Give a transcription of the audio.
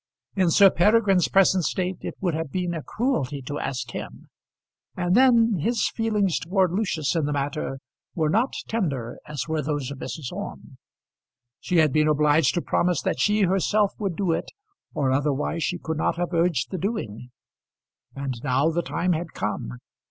In Sir Peregrine's present state it would have been a cruelty to ask him; and then his feelings towards Lucius in the matter were not tender as were those of Mrs. Orme. She had been obliged to promise that she herself would do it, or otherwise she could not have urged the doing. And now the time had come.